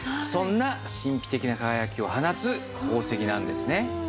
そんな神秘的な輝きを放つ宝石なんですね。